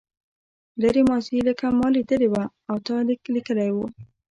لرې ماضي لکه ما لیدلې وه او تا لیک لیکلی و.